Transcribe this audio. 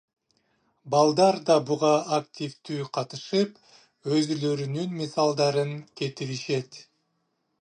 Балдар да буга активдүү катышып, өзүлөрүнүн мисалдарын кетиришет.